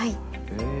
へえ。